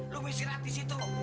lo istirahat di situ